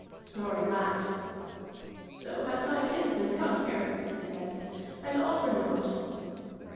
Snorri laughed. "So hath my kinsman come here," he said, "and all for naught."